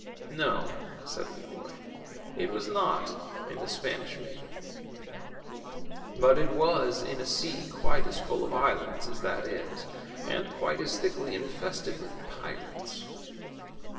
No," said Leroy ; it was not in the Spanish Main. io6 THE CHILDREN'S WONDER BOOK. But it was in a sea quite as full of islands as that iS; and quite as thickly infested with pirates."